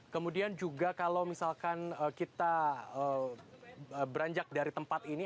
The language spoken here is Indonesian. kemudian juga kalau misalkan kita beranjak dari tempat ini